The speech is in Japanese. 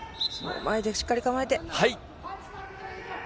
前でしっかり構えて。